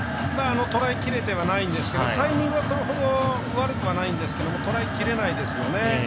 とらえ切れてないんですがタイミングはそれほど悪くはないんですがとらえきれないですよね。